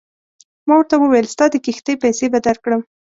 ما ورته وویل ستا د کښتۍ پیسې به درکړم.